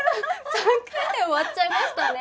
３回で終わっちゃいましたね。